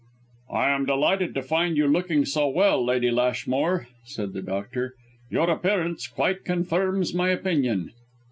"I am delighted to find you looking so well, Lady Lashmore," said the doctor. "Your appearance quite confirms my opinion."